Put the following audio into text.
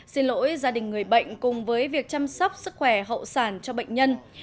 xin lỗi gia đình người bệnh cùng với việc chăm sóc sức khỏe hậu sản cho bệnh nhân